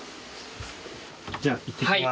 じゃあいってきます。